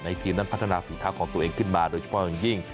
ทีมนั้นพัฒนาฝีเท้าของตัวเองขึ้นมาโดยเฉพาะอย่างยิ่ง